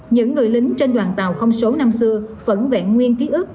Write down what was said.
những người lính trên đoàn tàu không số năm xưa vẫn vẹn nguyên ký ức